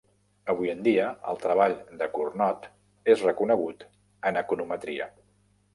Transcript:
Avui en dia, el treball de Cournot és reconegut en econometria.